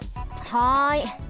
はい。